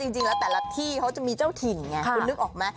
จริงแล้วแต่ละที่เขาจะมีเจ้าถิ่นไงคุณนึกออกไหม